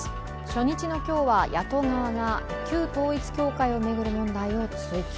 初日の今日は野党側が旧統一教会を巡る問題を追及。